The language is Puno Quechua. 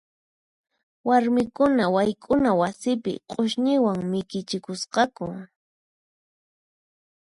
Warmikuna wayk'una wasipi q'usñiwan mikichikusqaku.